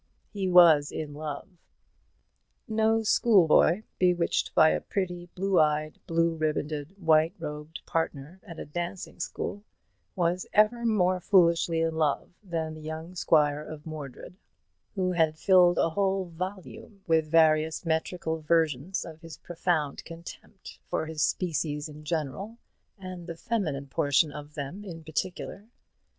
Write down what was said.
He was in love. No schoolboy, bewitched by a pretty blue eyed, blue ribanded, white robed partner at a dancing school, was ever more foolishly in love than the young squire of Mordred, who had filled a whole volume with various metrical versions of his profound contempt for his species in general, and the feminine portion of them in particular.